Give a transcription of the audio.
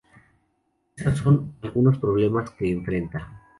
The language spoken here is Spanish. Esas son algunos problemas que enfrenta.